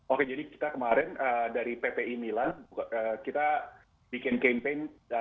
oke jadi kita kemarin dari ppi milan kita bikin campaign